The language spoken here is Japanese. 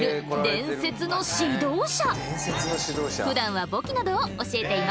伝説の指導者。